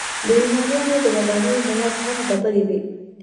د یونانیانو د ودانیو مواد هم ډبرې وې.